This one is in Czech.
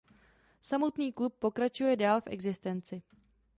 Samotný klub pokračuje dál v existenci.